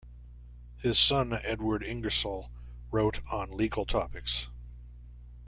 His son Edward Ingersoll wrote on legal topics.